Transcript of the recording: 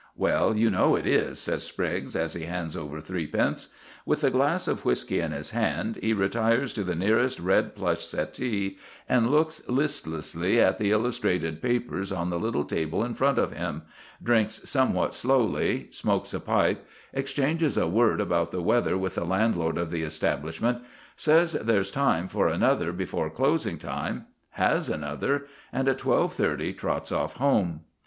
"Well, you know it is," says Spriggs, as he hands over threepence. With the glass of whisky in his hand he retires to the nearest red plush settee, and looks listlessly at the illustrated papers on the little table in front of him, drinks somewhat slowly, smokes a pipe, exchanges a word about the weather with the landlord of the establishment, says there's time for another before closing time, has another, and at twelve thirty trots off home.